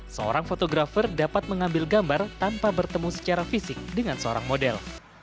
seorang fotografer dapat mengambil gambar tanpa bertemu secara fisik dengan seorang model